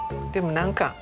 でも何か。